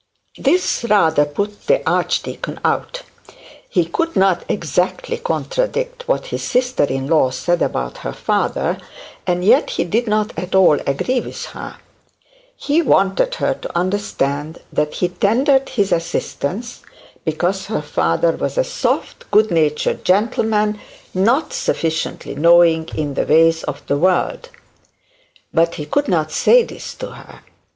This rather put the archdeacon out. He could not exactly contradict what his sister in law said about her father; and yet he did not at all agree with her. He wanted her to understand that he tendered his assistance because her father was a soft good natured gentleman, not sufficiently knowing in the ways of the world; but he could not say this to her.